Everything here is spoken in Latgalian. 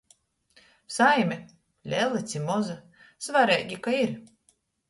Saime, lela ci moza, svareigi, ka ir.